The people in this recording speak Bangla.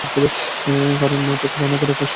কারণ মা এখন রান্নাঘরের কাজ সারিয়া আসে নাই।